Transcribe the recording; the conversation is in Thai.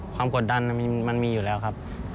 กดดันมันมีอยู่แล้วครับ